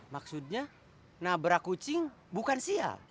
maksudnya nabrak kucing bukan sia